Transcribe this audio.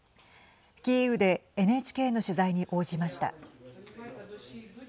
キーウでＮＨＫの取材に応じました。